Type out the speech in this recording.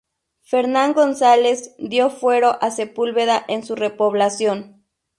Fernán González dio fuero a Sepúlveda en su repoblación.